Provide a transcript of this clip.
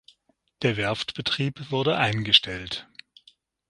Der Werftbetrieb wurde eingestellt.